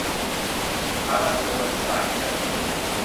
สถาบันอุดมศึกษาเอกชน